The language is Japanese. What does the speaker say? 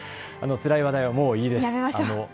つらい話題はもういいです。